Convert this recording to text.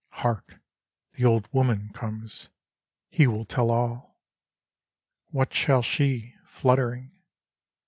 Hark I The old woman comes ; he will tell all. What shall she, fluttering?